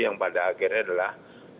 yang pada akhirnya adalah